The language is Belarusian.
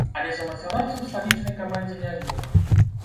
Але замацавацца ў сталічнай камандзе не змог.